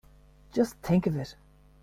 Just think of it!